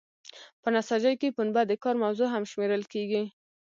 په نساجۍ کې پنبه د کار موضوع هم شمیرل کیږي.